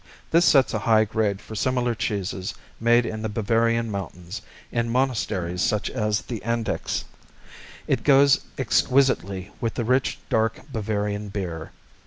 This sets a high grade for similar cheeses made in the Bavarian mountains, in monasteries such as Andechs. It goes exquisitely with the rich dark Bavarian beer.